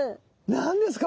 何ですか？